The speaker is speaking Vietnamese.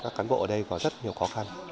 các cán bộ ở đây có rất nhiều khó khăn